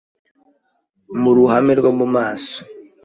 Mu ruhame rwo mu maso